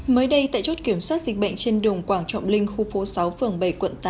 mới đây tại chốt kiểm soát dịch bệnh trên đường quảng trọng linh khu phố sáu phường bảy quận tám